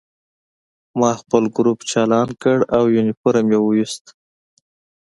ما خپل ګروپ چالان کړ او یونیفورم مې وویست